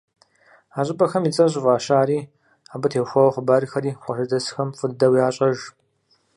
А щӀыпӀэхэм и цӀэр щӀыфӀащари, абы теухуа хъыбархэри къуажэдэсхэм фӀы дыдэу ящӀэж.